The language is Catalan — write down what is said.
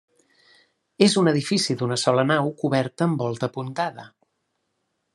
És un edifici d'una sola nau coberta amb volta apuntada.